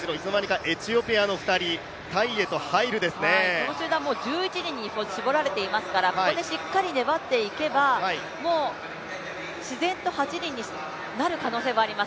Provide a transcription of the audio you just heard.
この集団、もう１１人に絞り込まれていますから、ここでしっかりと粘っていけば、自然と８人になる可能性があります